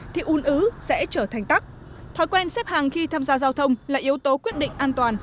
thì un ứ sẽ trở thành tắc thói quen xếp hàng khi tham gia giao thông là yếu tố quyết định an toàn